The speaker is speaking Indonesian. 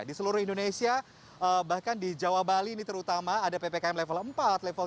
di seluruh indonesia bahkan di jawa bali ini terutama ada ppkm level empat level tiga ini akan dievaluasi terlebih dahulu